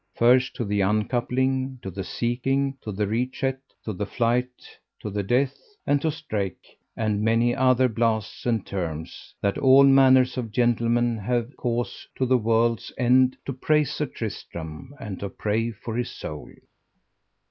First to the uncoupling, to the seeking, to the rechate, to the flight, to the death, and to strake, and many other blasts and terms, that all manner of gentlemen have cause to the world's end to praise Sir Tristram, and to pray for his soul.